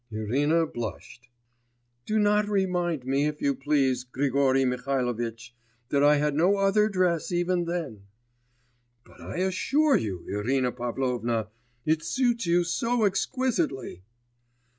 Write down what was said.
Irina blushed. 'Do not remind me, if you please, Grigory Mihalovitch, that I had no other dress even then.' 'But I assure you, Irina Pavlovna, it suits you so exquisitely.